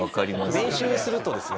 練習するとですね